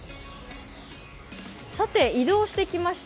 移動してきました。